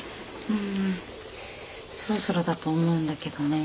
うんそろそろだと思うんだけどね。